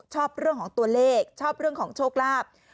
ชอบเรื่องของตัวเลขชอบเรื่องของโชคลาภ